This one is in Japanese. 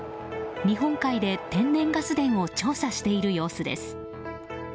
日本海で天然ガス田を調査している様子です。